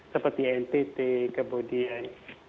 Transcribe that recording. seperti ntt kemudian